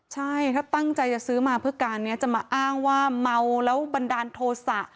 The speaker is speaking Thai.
ใช่ถ้าตั้งใจจะซื้อมาเพื่อการนี้จะมาอ้างว่าเมาแล้วบันดาลโทษะ